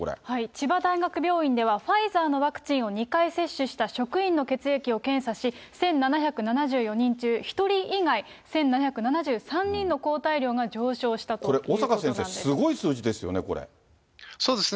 千葉大学病院では、ファイザーのワクチンを２回接種した職員の血液を検査し、１７７４人中、１人以外、１７７３人の抗体量が上昇したということなんですね。